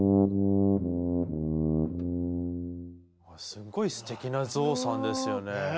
すっごいすてきな「ぞうさん」ですよね。